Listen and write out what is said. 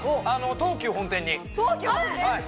東急本店⁉